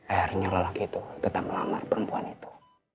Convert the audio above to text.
akhirnya lelaki itu tetap melamar perempuan itu